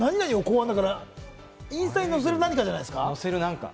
インスタに載せる何かじゃないですか？